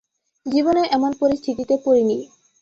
জীবনেও এমন পরিস্থিতিতে পড়িনি।